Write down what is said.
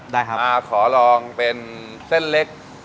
ได้ครับขอลองเป็นเส้นเล็ก